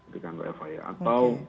di kantor fi atau